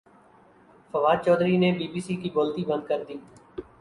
فواد چوہدری نے B B C کی بولتی بند کردی